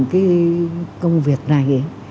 cái công việc này